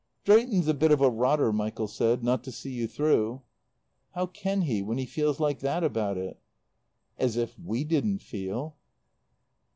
"Drayton's a bit of a rotter," Michael said, "not to see you through." "How can he when he feels like that about it?" "As if we didn't feel!"